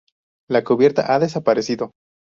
La cubierta ha desaparecido.